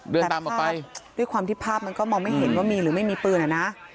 เดินตามออกไปด้วยความที่ภาพมันก็มองไม่เห็นว่ามีหรือไม่มีปืนอ่ะนะ